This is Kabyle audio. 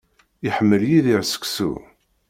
Iḥemmel Yidir seksu.